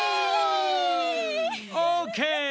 オーケー！